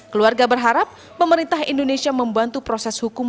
keluarga berharap pemerintah indonesia membantu proses hukum